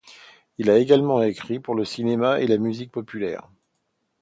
Il a également écrit pour le cinéma et la musique populaire.